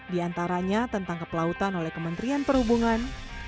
di antaranya tentang kepelautan oleh kementerian perhubungan